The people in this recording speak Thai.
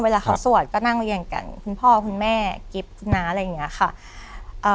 เวลาเขาสวดก็นั่งเรียงกันคุณพ่อคุณแม่กิฟต์นะอะไรอย่างเงี้ยค่ะเอ่อ